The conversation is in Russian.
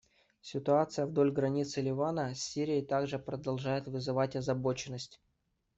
Ситуация вдоль границы Ливана с Сирией также продолжает вызвать озабоченность.